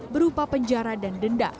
berupa penjara dan denda